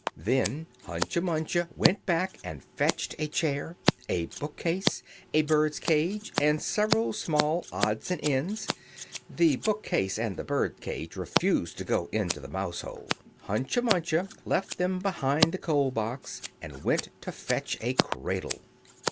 Then Hunca Munca went back and fetched a chair, a book case, a bird cage, and several small odds and ends. The book case and the bird cage refused to go into the mousehole. Hunca Munca left them behind the coal box, and went to fetch a cradle.